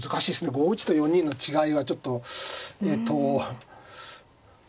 ５一と４二の違いはちょっとえっと。